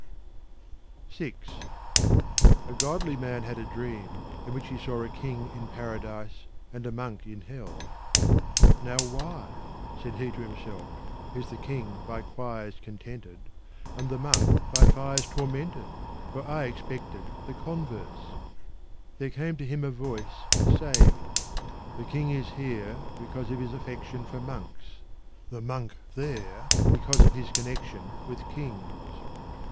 VI A godly man had a dream in which he saw a king in paradise and a monk in hell. " Now why," said he to himself, " is the king by choirs contented and the monk by fires tormented ? for I expected the con TRANSLATIONS FROM THE GULISTAN 67 verse." There came to him a voice, saying :" The king is here because of his affection for monks ; the monk there because of his connection with kings."